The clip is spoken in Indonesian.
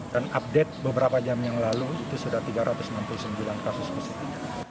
dan update beberapa jam yang lalu itu sudah tiga ratus enam puluh sembilan kasus positif